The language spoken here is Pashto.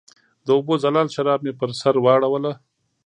د اوبو زلال شراب مې پر سر واړوله